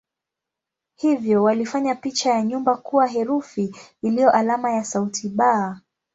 Hivyo walifanya picha ya nyumba kuwa herufi iliyo alama ya sauti "b".